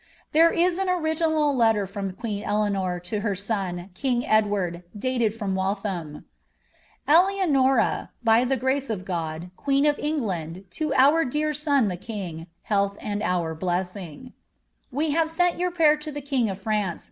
There is an original letter from queen Eleanor to her son, k.in{ Ed ward, dated from Wallhain : ■Alianoiu, by the grao* of God, queen of England, lo our dear aoa ik* UiC health and our biesaing, • We bare sent your prayei lo thd king of FraDce.